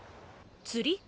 釣り？